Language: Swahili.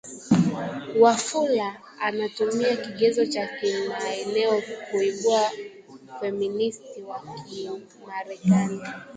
Wafula anatumia kigezo cha kimaeneo kuibua Ufeministi wa Kimarekani